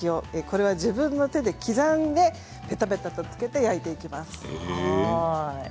これは自分の手で刻んでペタペタと付けて焼いていきます。